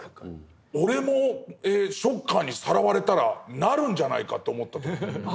俺もショッカーにさらわれたらなるんじゃないかと思った。